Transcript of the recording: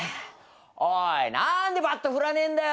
おい何でバット振らねえんだよ！